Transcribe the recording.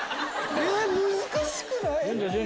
難しくない？